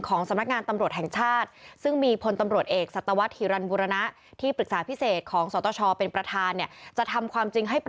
ของสำนักงานตำรวจแห่งชาติ